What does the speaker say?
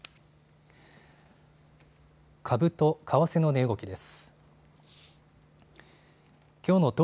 株と為替の値動きです。